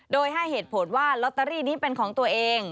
โดยให้เหตุผลว่าลอตเตอรี่นี้เป็นของตัวเอง